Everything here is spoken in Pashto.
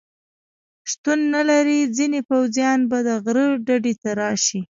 شتون نه لري، ځینې پوځیان به د غره ډډې ته راشي.